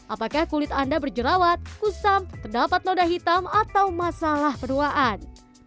apakah kulit anda berjerawat kusam terdapat noda hitam atau masalah penuaan